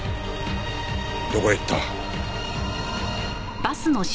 どこへ行った？